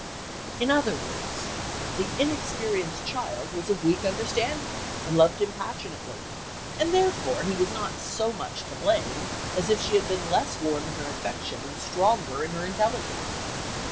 In other words, the inexperienced child was of weak understanding, and loved him passionately, and therefore he was not so much to blame as if she had been less warm in her affection and stronger in her intelligence.